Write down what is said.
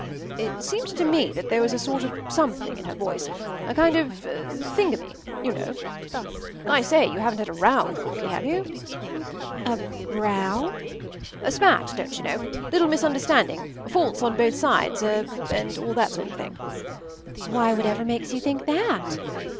” It seemed to me that there was a sort of something in her voice, a kind of thingummy, you know. “I say, you haven’t had a row with Corky, have you?” “A row?” “A spat, don’t you know—little misunderstanding—faults on both sides—er—and all that sort of thing.” “Why, whatever makes you think that?